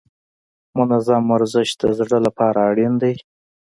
منظم ورزش د زړه لپاره اړین دی.